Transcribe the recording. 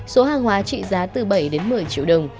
số hàng hóa trị giá từ bảy đến một mươi chín